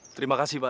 terima kasih pak